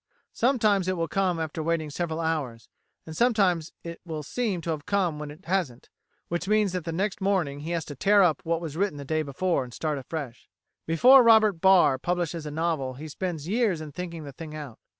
Sometimes it will come after waiting several hours, and sometimes it will seem to have come when it hasn't, which means that next morning he has to tear up what was written the day before and start afresh.[133:A] Before Robert Barr publishes a novel he spends years in thinking the thing out.